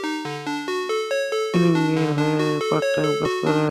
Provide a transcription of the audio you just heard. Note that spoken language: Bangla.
কেনজি কি পেঙ্গুইনের হয়ে পার্টটাইম কাজ করে?